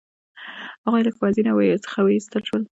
هغه له ښوونځي څخه وایستل شو.